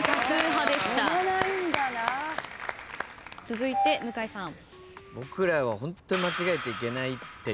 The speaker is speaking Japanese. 続いて向井さん。